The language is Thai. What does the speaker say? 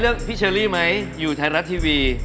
พี่เชอรี่ไหมอยู่ไทยรัฐทีวี